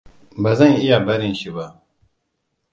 Ba zan iya barin shi ba.